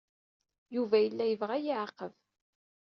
Yuba yella yebɣa ad iyi-iɛaqeb.